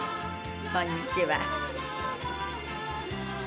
こんにちは。